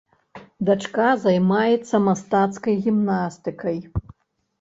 Дачка займаецца мастацкай гімнастыкай.